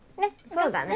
そうだね。